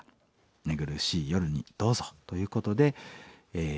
寝苦しい夜にどうぞ」ということでお送りします。